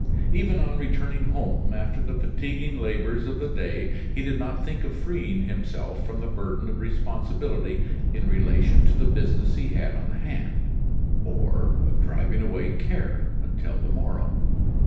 Even on returning home after the fatiguing labors of the day he did not think of freeing himself from the burden of responsibility in relation to the business he had on hand, or of driving away care until the morrow.